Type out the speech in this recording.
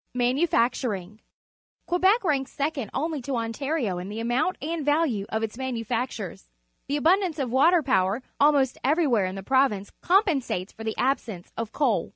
Manufacturing. — Quebec ranks secon d only to Ontario in the amount and value of its manufactures. The abundance of water power almost everywhere in the province compensates for the absence of coal.